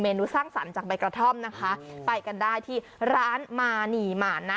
นูสร้างสรรค์จากใบกระท่อมนะคะไปกันได้ที่ร้านมานีหมานะ